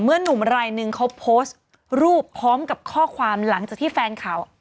หนุ่มรายหนึ่งเขาโพสต์รูปพร้อมกับข้อความหลังจากที่แฟนข่าว